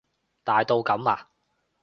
大到噉啊？